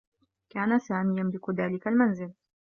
كان سامي يملك ذلك المنزل.